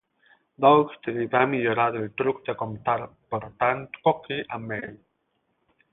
Daughtry va millorar el truc de comptar portant Cocky amb ell.